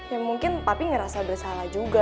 ya mungkin papi ngerasa udah salah juga